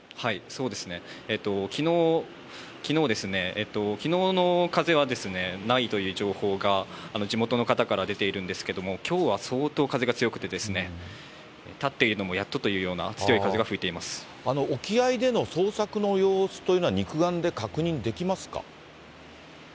そうですね、きのうの風はないという情報が、地元の方から出ているんですけれども、きょうは相当風が強くてですね、立っているのもやっとというよう沖合での捜索の様子というのは、肉眼で確認できますか。